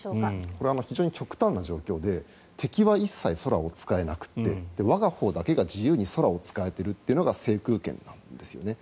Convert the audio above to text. これは非常に極端な状況で敵は一切空を使えなくて我がほうだけが自由に空を使えているというのが制空権なんですよね。